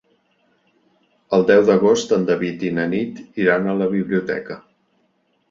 El deu d'agost en David i na Nit iran a la biblioteca.